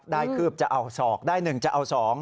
ได้คืบจะเอาสอกได้หนึ่งจะเอาสอง